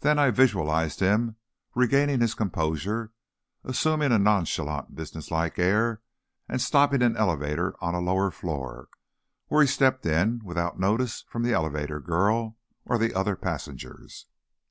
Then, I visualized him, regaining his composure, assuming a nonchalant, business like air, and stopping an elevator on a lower floor, where he stepped in, without notice from the elevator girl or the other passengers.